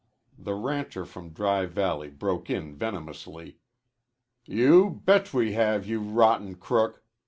The rancher from Dry Valley broke in venomously. "You bet we have, you rotten crook.